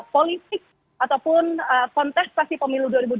politik ataupun konteks pasifil dua ribu dua puluh empat